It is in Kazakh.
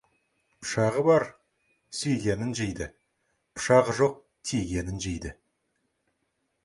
Пышағы бар сүйгенін жейді, пышағы жоқ тигенін жейді.